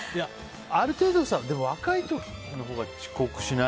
ある程度若い時のほうが遅刻しない？